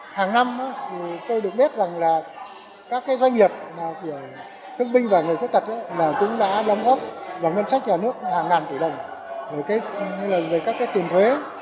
hàng năm tôi được biết rằng các doanh nghiệp của thương binh và người khuyết tật cũng đã đóng góp vào ngân sách nhà nước hàng ngàn tỷ đồng về các tiền thuế